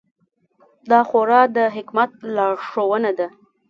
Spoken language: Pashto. دا خورا د حکمت لارښوونه ده.